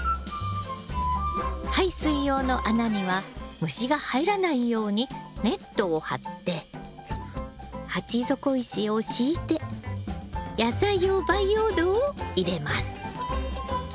排水用の穴には虫が入らないようにネットをはって鉢底石を敷いて野菜用培養土を入れます。